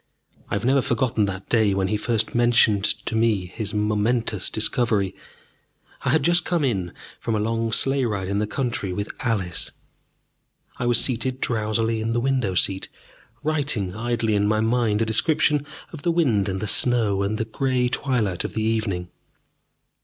I have never forgotten that day when he first mentioned to me his momentous discovery. I had just come in from a long sleigh ride in the country with Alice, and I was seated drowsily in the window seat, writing idly in my mind a description of the wind and the snow and the grey twilight of the evening.